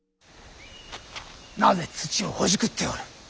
なぜ土をほじくっておる？